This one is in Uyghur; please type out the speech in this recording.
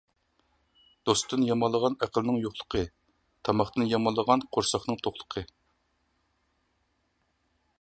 دوستتىن يامانلىغان ئەقىلنىڭ يوقلۇقى، تاماقتىن يامانلىغان قورساقنىڭ توقلۇقى.